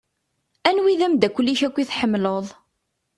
Anwa i d-amdakel-ik akk i tḥemmleḍ?